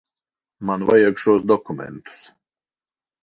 Man vajag šos dokumentus.